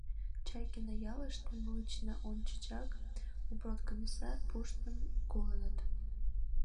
Чайкино ялыште мылечна ончычак упродкомиссар пуштмым колыныт.